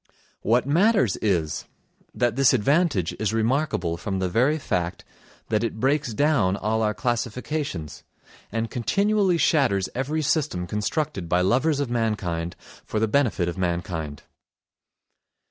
What matters is, that this advantage is remarkable from the very fact that it breaks down all our classifications, and continually shatters every system constructed by lovers of mankind for the benefit of mankind.